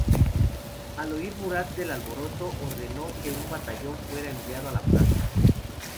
Al oír Murat del alboroto, ordenó que un batallón fuera enviado a la plaza.